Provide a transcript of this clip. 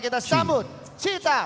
kita sambut cinta